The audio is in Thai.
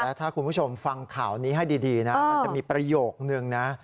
ถ้าคุณผู้ชมฟังข่าวนี้ให้ดีนะมันจะมีประโยคนึงนะ